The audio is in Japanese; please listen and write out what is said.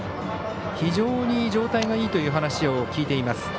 非常に状態がいいという話を聞いています。